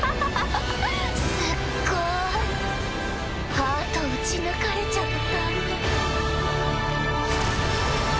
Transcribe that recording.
ハート撃ち抜かれちゃった。